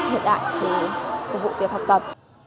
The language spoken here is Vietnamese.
hiện đại để phục vụ việc học tập